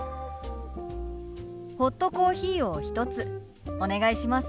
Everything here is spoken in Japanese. ホットコーヒーを１つお願いします。